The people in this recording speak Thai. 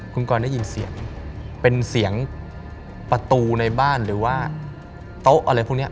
คุณกรได้ยินเสียงเป็นเสียงประตูในบ้านหรือว่าโต๊ะอะไรพวกนี้